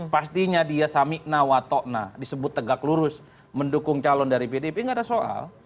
pastinya dia samikna watokna disebut tegak lurus mendukung calon dari pdip nggak ada soal